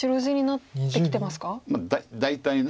大体ね。